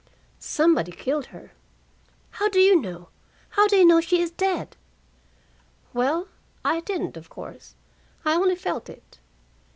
"Somebody killed her." "How do you know? How do you know she is dead?" Well, I didn't, of course I only felt it.